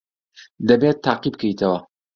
دەبێت تاقی بکەیتەوە.